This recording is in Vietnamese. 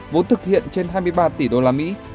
vốn thực hiện trên hai mươi ba tỷ usd